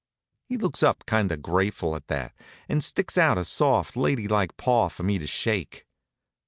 He looks up kind of grateful at that, and sticks out a soft, lady like paw for me to shake.